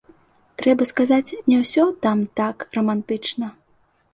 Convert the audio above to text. Трэба сказаць, не ўсё там так рамантычна.